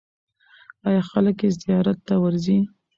آیا خلک یې زیارت ته ورځي؟